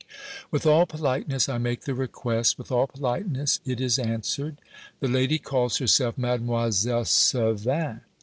With all politeness I make the request; with all politeness it is answered. The lady calls herself Mademoiselle Servin.